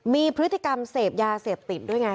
มีพฤติกรรมเสพยาเสพติดด้วยไง